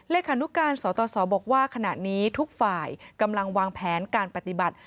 นุการสตสบอกว่าขณะนี้ทุกฝ่ายกำลังวางแผนการปฏิบัติ